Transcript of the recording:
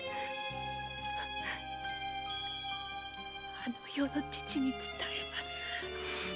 あの世の父に伝えます。